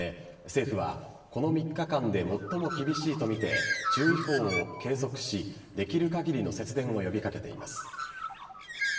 政府はこの３日間で最も厳しいとみて注意報を継続しできる限りの節電を呼び掛けています。